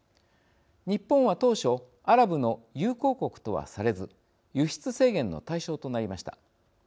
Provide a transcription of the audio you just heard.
日本は当初アラブの友好国とはされず輸出制限の対象となりました。